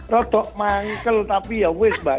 rodok manggel tapi ya wess mbak